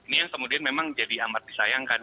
ini yang kemudian memang jadi amat disayangkan